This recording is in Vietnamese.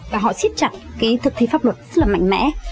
và họ siết chặt thực thí pháp luật rất là mạnh mẽ